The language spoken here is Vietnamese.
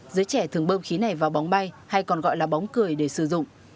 giới trẻ thường bơm khí này vào bóng bay hay còn gọi là bóng cười để sử dụng